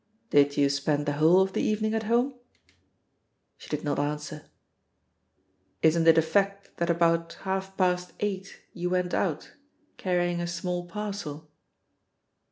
"Did you spend the whole of the evening at home?" She did not answer. "Isn't it a fact that about half past eight you went out, carrying a small parcel?"